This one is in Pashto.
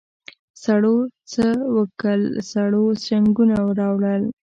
سړو څه وکل سړو جنګونه راوړل.